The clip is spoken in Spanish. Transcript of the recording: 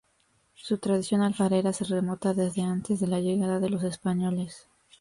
Su tradición alfarera se remonta desde antes de la llegada de los españoles.